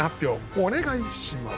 お願いします。